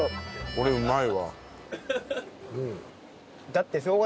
これうまいわ。